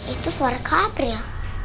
itu suara kabur ya